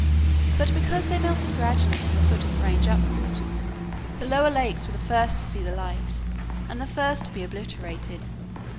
But because they melted gradually from the foot of the range upward, the lower lakes were the first to see the light and the first to be obliterated.